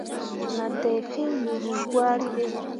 Nah dai fîi yuru gwari ɓe.